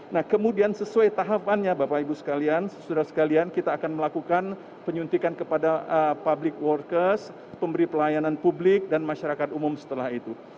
nah kemudian sesuai tahapannya bapak ibu sekalian sesudah sekalian kita akan melakukan penyuntikan kepada public workers pemberi pelayanan publik dan masyarakat umum setelah itu